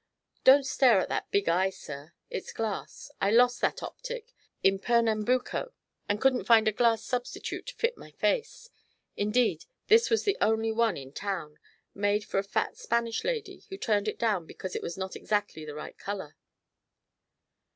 Don't stare at that big eye, sir; it's glass. I lost that optic in Pernambuco and couldn't find a glass substitute to fit my face. Indeed, this was the only one in town, made for a fat Spanish lady who turned it down because it was not exactly the right color."